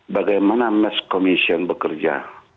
bagaimana mas komision bekerja